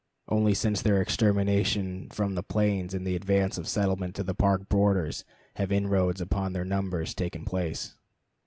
Only since their extermination from the plains and the advance of settlements to the Park border have inroads upon their numbers taken place.